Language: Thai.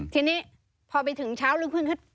ทีนี้พอไปถึงเช้าเรื่องเพิ่ง